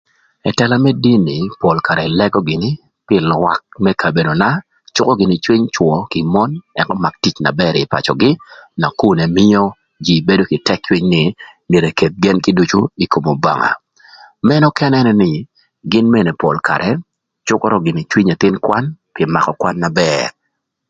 Ëtëla më dini pol karë lëgö gïnï pï lwak më kabedona, cükö gïnï cwïny cwö kï mon ëk ömak tic na bër ï pacögï nakun ëmïö jïï bedo kï tëk cwïny nï, myero eketh gen kï ducu ï kom Obanga, Mënë ökënë gïnï nï, gïn mene pol karë cükörö gïnï cwïny ëthïn kwan pï makö kwan na bër